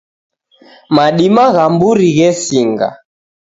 Madima gha mburi ghesinga